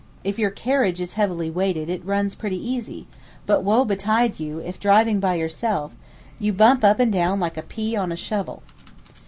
If your carriage is heavily weighted it runs pretty easy; but woe betide you if driving by yourself you bump up and down like a pea on a shovel.